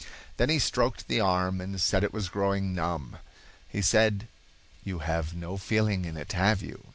Then he stroked the arm and said it was growing numb. He said: "You have no feeling in it, have you?"